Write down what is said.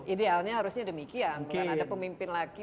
idealnya harusnya demikian ada pemimpin lagi